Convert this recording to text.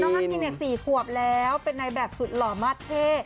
น้องอัธินเนี่ยสี่ขวบแล้วเป็นในแบบสุดหล่อมากเท่